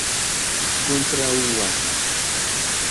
kontraŭas